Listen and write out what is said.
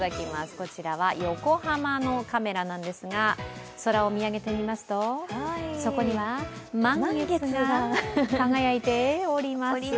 こちらは横浜のカメラなんですが、空を見上げてみますと、そこには満月が輝いております。